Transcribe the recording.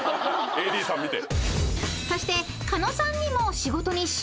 ＡＤさん見て。